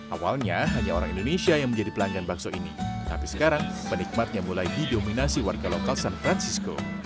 awalnya hanya orang indonesia yang menjadi pelanggan bakso ini tapi sekarang penikmatnya mulai didominasi warga lokal san francisco